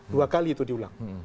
dua kali itu diulang